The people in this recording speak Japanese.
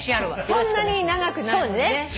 そんなに長くないもんね。